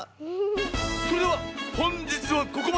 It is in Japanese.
それではほんじつはここまで。